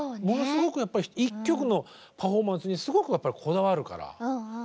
ものすごくやっぱり１曲のパフォーマンスにすごくやっぱりこだわるから。